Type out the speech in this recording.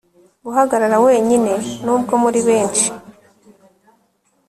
guhagarara wenyine, nubwo muri benshi